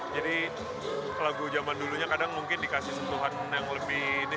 jadi lagu zaman dulunya kadang mungkin dikasih sentuhan yang lebih ini